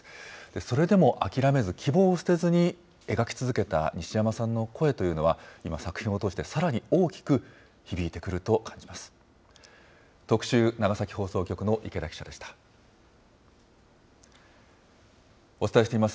それでも諦めず、希望を捨てずに描き続けた西山さんの声というのは、今、作品を通してさらに大きく響いてくると感じます。